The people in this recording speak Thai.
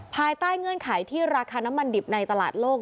ภายใต้เงื่อนไขที่ราคาน้ำมันดิบในตลาดโลก